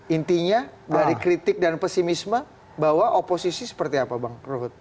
intinya dari kritik dan pesimisme bahwa oposisi seperti apa bang ruhut